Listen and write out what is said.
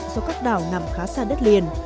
do các đảo nằm khá xa đất liền